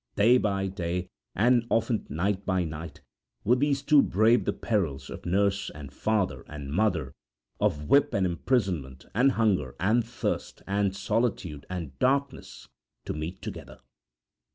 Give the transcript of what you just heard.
Day by day, and often night by night, would these two brave the perils of nurse, and father, and mother, of whip and imprisonment, and hunger and thirst, and solitude and darkness to meet together.